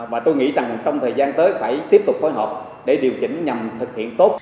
và tôi nghĩ rằng trong thời gian tới phải tiếp tục phối hợp để điều chỉnh nhằm thực hiện tốt